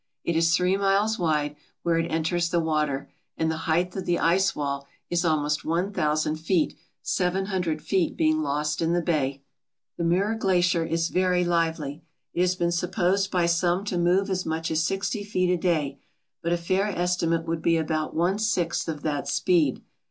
It is three miles wide where it enters the water, and the height of the ice wall is almost one thousand^feet, seven hundred feet being lost in the bay. The Miiir Glacier is very lively. It has been supposed by some to move as much as sixty feet a day, but a fair estimate would be about one sixth of that speed.